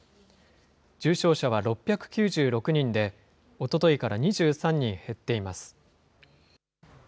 重症者は６９６人で、おとといから２３人減っています。